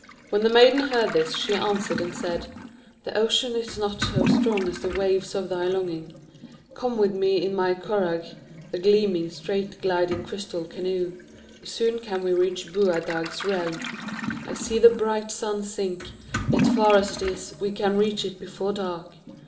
When the maiden heard this, she answered and said: "The ocean is not so strong as the waves of thy longing. Come with me in my curragh, the gleaming, straight gliding crystal canoe. Soon can we reach Boadag's realm. I see the bright sun sink, yet far as it is, we can reach it before dark.